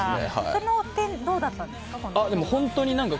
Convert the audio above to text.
その点、どうだったんですか？